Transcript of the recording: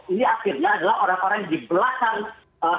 ini akhirnya adalah orang orang di belakang hadis ini